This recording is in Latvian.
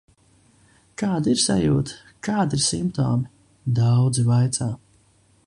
Kāda ir sajūta, kādi ir simptomi, daudzi vaicā?